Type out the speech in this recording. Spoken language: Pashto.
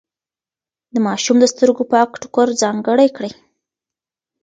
د ماشوم د سترګو پاک ټوکر ځانګړی کړئ.